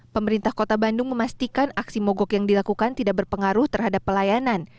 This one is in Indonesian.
pemerintah kota bandung memastikan aksi mogok yang dilakukan tidak berpengaruh terhadap pelayanan